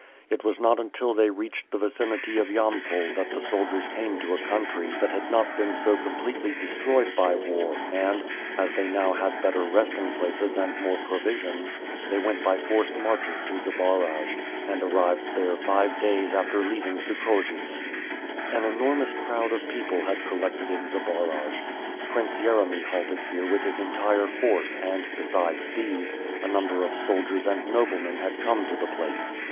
It was not until they reached the vicinity of Yampol that the soldivjrs came to a country that had not been so completely destroyed by war and, as they now had better resting places and more provisions, they went by forced marches to Zbaraj and arrived there five days after leaving Sukhojints. An enormous crowd of people had collected in Zbaraj. Prince Yeremy halted here with his entire force and, besides these, a number of soldiers and noblemen had come to the place.